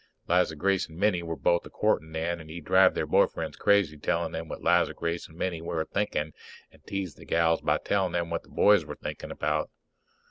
Liza Grace and Minnie were both a courtin' then, and he'd drive their boy friends crazy telling them what Liza Grace and Minnie were a thinking and tease the gals by telling them what the boys were thinking about.